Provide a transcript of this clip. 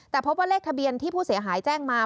แต่พบว่าเลขทะเบียนที่ผู้เสียหายแจ้งมา